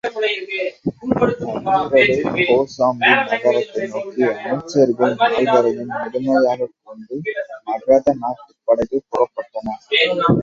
அன்றிரவே கோசாம்பி நகரத்தை நோக்கி அமைச்சர்கள் நால்வரையும் முதன்மையாகக் கொண்டு மகத நாட்டுப் படைகள் புறப்பட்டன.